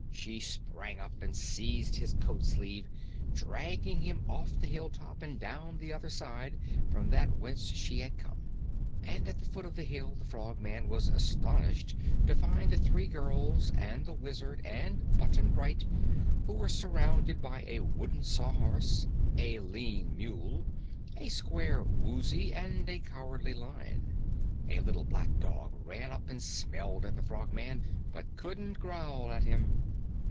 She sprang up and seized his coatsleeve, dragging him off the hilltop and down the other side from that whence he had come. And at the foot of the hill, the Frogman was astonished to find the three girls and the Wizard and Button Bright, who were surrounded by a wooden Sawhorse, a lean Mule, a square Woozy, and a Cowardly Lion. A little black dog ran up and smelled at the Frogman, but couldn't growl at him.